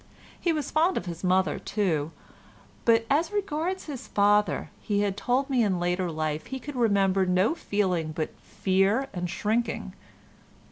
He was fond of his mother, too, but as regards his father, he has told me in later life he could remember no feeling but fear and shrinking.